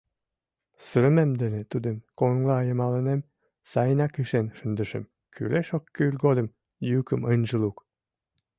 Сырымем дене тудым коҥла йымаланем сайынак ишен шындышым: кӱлеш-оккӱл годым йӱкым ынже лук!